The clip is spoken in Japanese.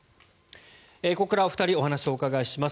ここからはお二人にお話をお伺いします。